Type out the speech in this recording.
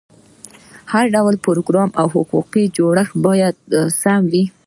هر ډول پروګرام او حقوقي جوړښت باید سم وي.